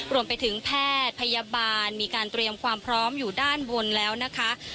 รวมไปถึงแพทย์พยาบาลมีการเตรียมความพร้อมอยู่ด้านบนแล้วนะคะ